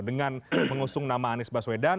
dengan mengusung nama anies baswedan